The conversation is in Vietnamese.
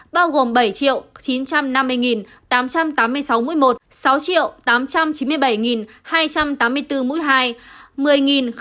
bao gồm bảy chín trăm năm mươi tám trăm tám mươi sáu mũi một sáu tám trăm chín mươi bảy hai trăm tám mươi bốn mũi hai